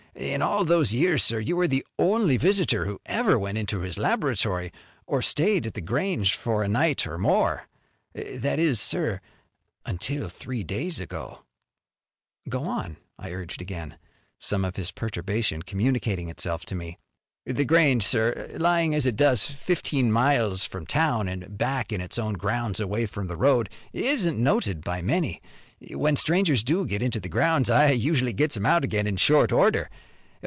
In all those years, sir, you were the only visitor who ever went into his laboratory, or stayed at The Grange for a night or more. That is, sir, until three days ago." "Go on," I again urged, some of his perturbation communicating itself to me. "The Grange, sir, lying as it does, fifteen miles from town an' back in its own grounds away from the road, isn't noted by many. When strangers do get into the grounds I usually gets 'em out again in short order.